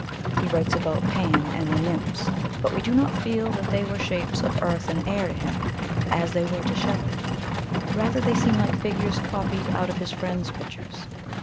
He writes about Pan and the nymphs, but we do not feel that they were shapes of earth and air to him, as they were to Shelley; rather they seem like figures copied out of his friends' pictures.